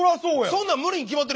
そんなん無理に決まってる。